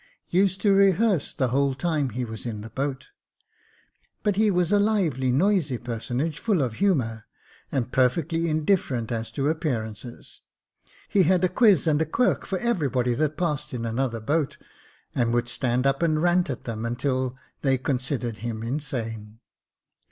used to rehearse the whole time he was in the boat ; but he was a lively, noisy personage, full of humour, and perfectly indifferent as to appearances. He had a quiz and a quirk for everybody that passed in another boat, and would stand up and rant at them until they considered him insane.